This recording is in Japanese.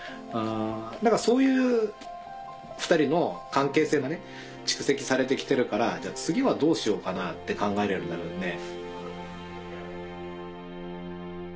何かそういう２人の関係性がね蓄積されて来てるからじゃあ次はどうしようかなって考えれるようになるんで。